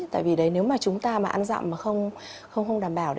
tại vì đấy nếu mà chúng ta mà ăn dặm mà không đảm bảo